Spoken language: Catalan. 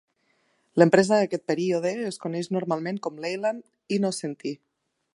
L'empresa d'aquest període es coneix normalment com Leyland Innocenti.